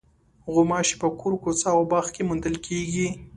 غوماشې په کور، کوڅه او باغ کې موندل کېږي.